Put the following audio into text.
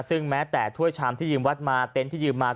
ซึ่งแม้แต่ถ้วยชามที่ยืมวัดมาเต็นต์ที่ยืมมา